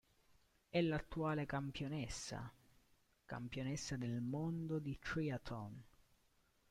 È l'attuale campionessa campionessa del mondo di triathlon.